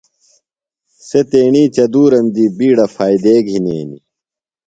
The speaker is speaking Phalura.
سےۡ تیݨی چدُورم دی بِیڈہ فائدے گِھنینیۡ۔